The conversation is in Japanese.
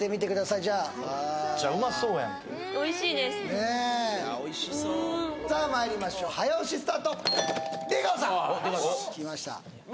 いやおいしそうさあまいりましょう早押しスタート出川さんおしま